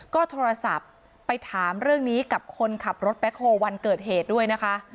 ก็โทรศัพท์ไปถามเรื่องนี้กับคนขับรถแบ็คโฮลวันเกิดเหตุด้วยนะคะ